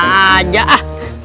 bukan aja ah